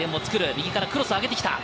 右からクロスを上げてきた。